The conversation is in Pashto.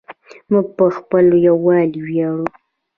موږ په خپل یووالي ویاړو.